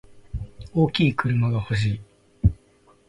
大きい車が欲しい。